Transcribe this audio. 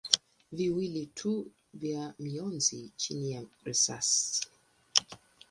viwili tu vya mionzi chini ya risasi.